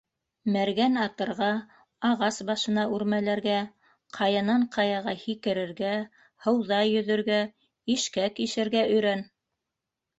Мәргән атырға, ағас башына үрмәләргә, ҡаянан ҡаяға һикерергә, һыуҙа йөҙөргә, ишкәк ишергә өйрән!